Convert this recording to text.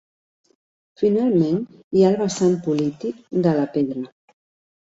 Finalment, hi ha el vessant polític de la pedra.